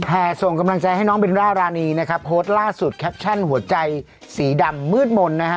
ส่งกำลังใจให้น้องเบลล่ารานีนะครับโพสต์ล่าสุดแคปชั่นหัวใจสีดำมืดมนต์นะฮะ